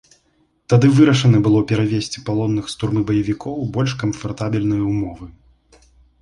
Тады вырашана было перавесці палонных з турмы баевікоў у больш камфартабельныя ўмовы.